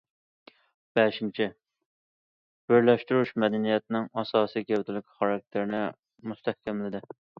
بەشىنچى،« بىرلەشتۈرۈش» مەدەنىيەتنىڭ ئاساسىي گەۋدىلىك خاراكتېرىنى مۇستەھكەملىدى.